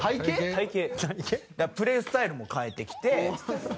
プレースタイルも変えてきて。